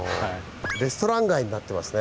レストラン街になってますね。